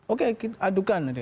oke kita adukan